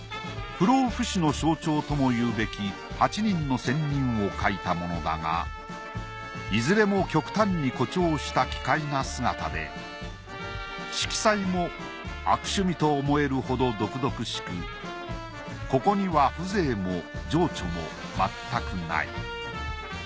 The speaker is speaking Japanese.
不老不死の象徴ともいうべき８人の仙人を描いたものだがいずれも極端に誇張した奇怪な姿で色彩も悪趣味と思えるほど毒々しくここには風情も情緒もまったくない。